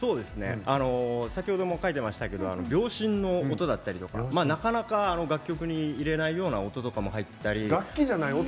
先ほども書いてましたけど秒針の音だったりとかなかなか楽曲に入れないような音とかも入ってたり。